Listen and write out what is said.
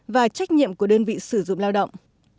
và trách nhiệm của đơn vị sử dụng lao động